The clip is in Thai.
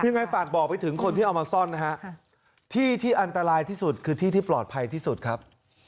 ยังไงฝากบอกไปถึงคนที่เอามาซ่อนนะฮะที่ที่อันตรายที่สุดคือที่ที่ปลอดภัยที่สุดครับ